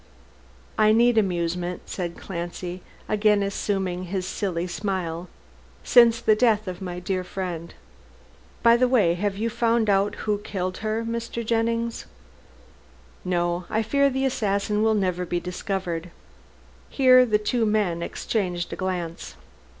"I need amusement," said Clancy, again assuming his silly smile, "since the death of my dear friend. By the way, have you found out who killed her, Mr. Jennings?" "No. I fear the assassin will never be discovered." Here the two men exchanged a glance.